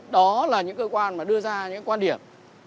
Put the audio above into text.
đó là những cơ quan mà đưa ra những quan điểm